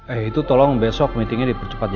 eh itu tolong besok meetingnya dipercepat ya